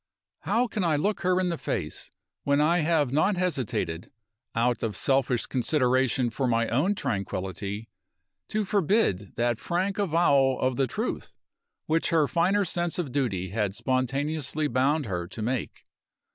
How can I look her in the face, when I have not hesitated, out of selfish consideration for my own tranquillity, to forbid that frank avowal of the truth which her finer sense of duty had spontaneously bound her to make?